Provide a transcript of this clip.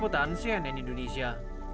putra anusian dan indonesia